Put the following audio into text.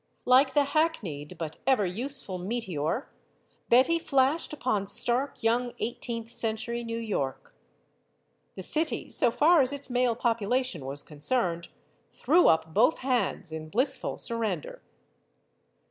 Like the hackneyed, but ever useful, meteor, Betty flashed upon stark young eighteenth century New York. The city so far as its male population was concerned threw up both hands in blissful surrender.